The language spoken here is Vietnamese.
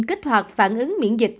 kích hoạt phản ứng miễn dịch